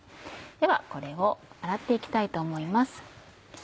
ではこれを洗って行きたいと思います。